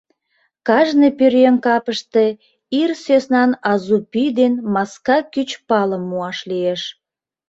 Кажне пӧръеҥ капыште ир сӧснан азу пӱй ден маска кӱч палым муаш лиеш.